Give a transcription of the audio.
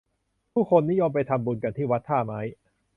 ผู้คนนิยมไปทำบุญกันที่วัดท่าไม้